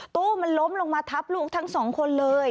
ตู้มันล้มลงมาทับลูกทั้งสองคนเลย